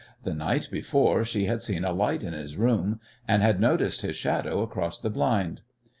The night before she had seen a light in his room, and had noticed his shadow across the blind.